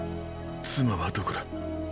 妻はどこだ？